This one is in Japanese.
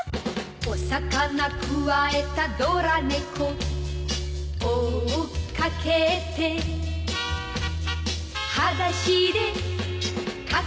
「お魚くわえたドラ猫」「追っかけて」「はだしでかけてく」